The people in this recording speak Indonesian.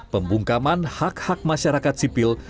pembungkaman hak hak masyarakat sipil